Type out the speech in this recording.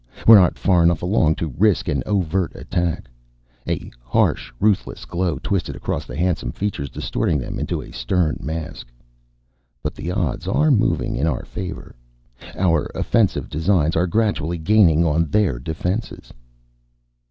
We're not far enough along to risk an overt attack." A harsh, ruthless glow twisted across his handsome features, distorting them into a stern mask. "But the odds are moving in our favor. Our offensive designs are gradually gaining on their defenses."